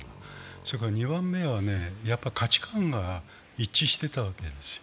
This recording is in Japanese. それから２番目は、価値観が一致していたわけです。